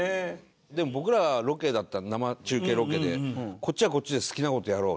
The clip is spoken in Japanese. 僕らはロケだった生中継ロケで「こっちはこっちで好きな事やろう」っつって。